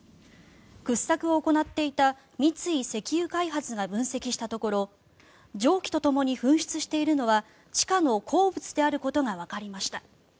掘削を行っていた三井石油開発が分析したところ蒸気とともに噴出しているのは地下の鉱物であることがわかりました。